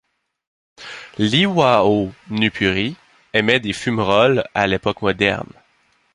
L'Iwaonupuri émet des fumeroles à l'époque moderne.